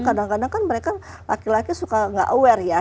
kadang kadang kan mereka laki laki suka nggak aware ya